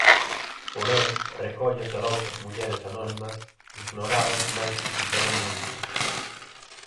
Porén, recolle aqueloutras mulleres anónimas, ignoradas mais que fixeron moito.